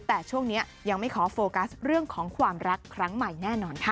แต่ช่วงนี้ยังไม่ขอโฟกัสเรื่องของความรักครั้งใหม่แน่นอนค่ะ